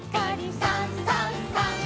「さんさんさん」